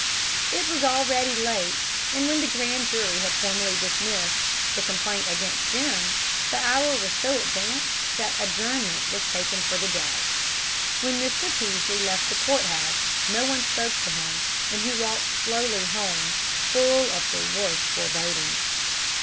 It was already late, and when the grand jury had formally dismissed the complaint against Jim, the hour was so advanced that adjournment was taken for the day. When Mr. Peaslee left the court house no one spoke to him, and he walked slowly home, full of the worst forebodings.